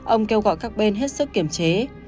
ông kêu gọi các bên hết sức kiểm chế